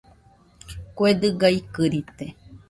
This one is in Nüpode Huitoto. Kue dɨga ikɨrite